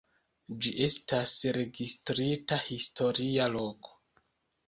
Ĝi estas registrita historia loko.